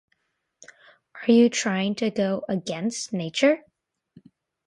Are you trying to go "against" nature?!